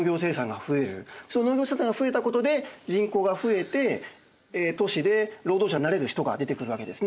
その農業生産が増えたことで人口が増えて都市で労働者になれる人が出てくるわけですね。